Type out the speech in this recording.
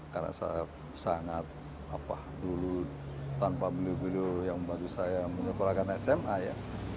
karena saya sangat dulu tanpa bilu bilu yang membantu saya menyeluruhkan sma ya